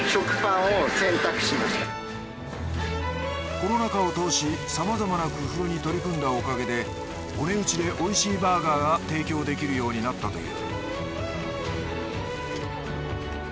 コロナ禍を通しさまざまな工夫に取り組んだおかげでお値打ちでおいしいバーガーが提供できるようになったという